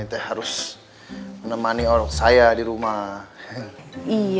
bisa n hiceh dia udah jadi temen orok saya berakhir chodzi